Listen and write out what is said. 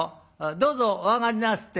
どうぞお上がりなさって」。